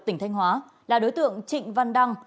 tỉnh thanh hóa là đối tượng trịnh văn đăng